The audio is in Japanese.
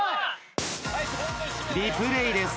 リプレイです。